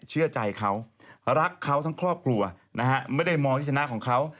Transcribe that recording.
เชื่อใจเขารักเขาทั้งครอบครัวนะฮะไม่ได้มองที่ชนะของเขา